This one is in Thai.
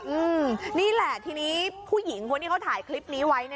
อืมนี่แหละทีนี้ผู้หญิงคนที่เขาถ่ายคลิปนี้ไว้